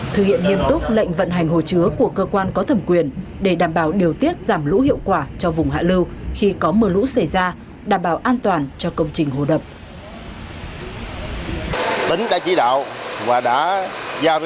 thực hiện nghiêm túc lệnh vận hành hồ chứa của cơ quan có thẩm quyền để đảm bảo điều tiết giảm lũ hiệu quả cho vùng hạ lưu khi có mưa lũ xảy ra đảm bảo an toàn cho công trình hồ đập